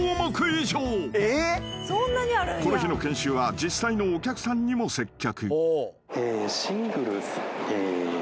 ［この日の研修は実際のお客さんにも接客］